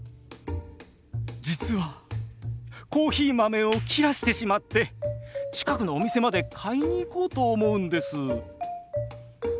実はコーヒー豆を切らしてしまって近くのお店まで買いに行こうと思うんです。